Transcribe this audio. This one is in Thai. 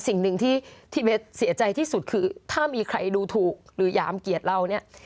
สิ่งหนึ่งที่เมสเสียใจที่สุดคือถ้ามีใครดูถูกหรือหยามเกลียดเราเนี่ย